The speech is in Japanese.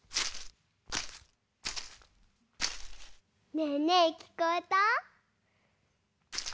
ねえねえきこえた？